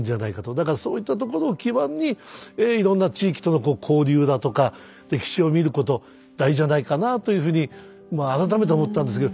だからそういったところを基盤にいろんな地域とのこう交流だとか歴史を見ること大事じゃないかなあというふうにまあ改めて思ったんですけど。